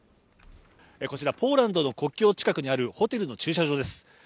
こちらポーランドの国境近くにあるホテルの駐車場です